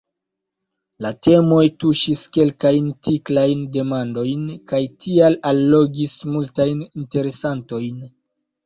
La temoj tuŝis kelkajn tiklajn demandojn, kaj tial allogis multajn interesantojn.